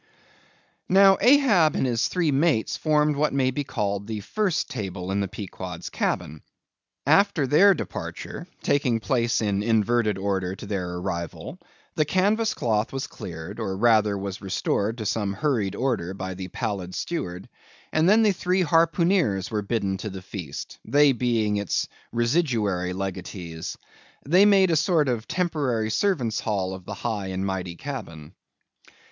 Now, Ahab and his three mates formed what may be called the first table in the Pequod's cabin. After their departure, taking place in inverted order to their arrival, the canvas cloth was cleared, or rather was restored to some hurried order by the pallid steward. And then the three harpooneers were bidden to the feast, they being its residuary legatees. They made a sort of temporary servants' hall of the high and mighty cabin.